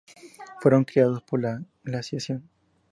Fueron creados por la glaciación.